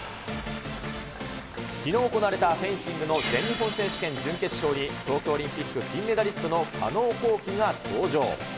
きのう行われたフェンシングの全日本選手権準決勝に、東京オリンピック金メダリストの加納虹輝が登場。